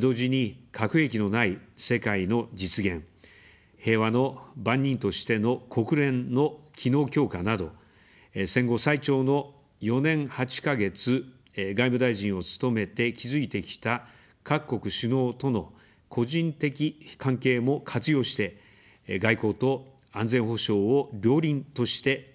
同時に、核兵器のない世界の実現、平和の番人としての国連の機能強化など、戦後最長の４年８か月、外務大臣を務めて築いてきた各国首脳との個人的関係も活用して、外交と安全保障を両輪として展開します。